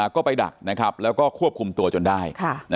ก็ไปดักแล้วก็ควบคุมตัวจนได้